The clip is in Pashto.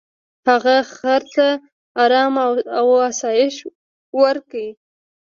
هغه خر ته ارام او آسایش ورکړ.